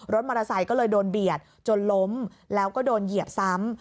มอเตอร์ไซค์ก็เลยโดนเบียดจนล้มแล้วก็โดนเหยียบซ้ำ